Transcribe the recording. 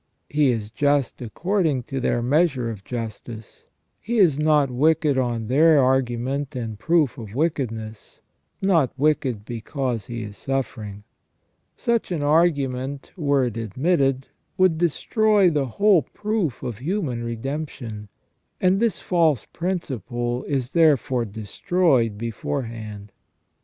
He is just according to their measure of justice. He is not wicked on their argument and proof of wickedness, not wicked because he is suffering. Such an argument, were it admitted, would destroy the whole proof of human redemption, and this false principle is therefore destroyed beforehand.